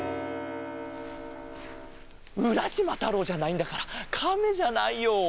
うらしまたろうじゃないんだからカメじゃないよ。